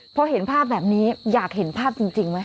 พอเห็นภาพแบบนี้อยากเห็นภาพจริงไหม